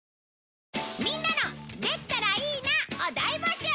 みんなの「できたらいいな」を大募集！